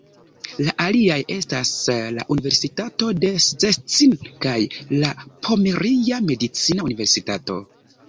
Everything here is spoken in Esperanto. La aliaj estas la Universitato de Szczecin kaj la Pomeria Medicina Universitato.